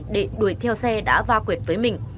để đuổi theo xe đã va quyệt với mình